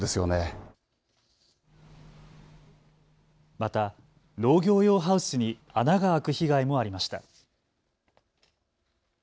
また農業用ハウスに穴が開く被害もありました。